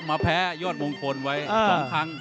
มาแพ้ยอดมงคลไว้๒ครั้ง